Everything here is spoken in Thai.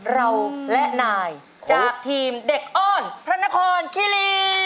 เราและนายจากทีมเด็กอ้อนพระนครคิรี